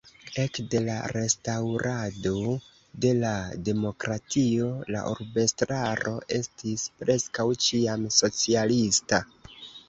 Ekde la restaŭrado de la demokratio la urbestraro estis preskaŭ ĉiam socialista.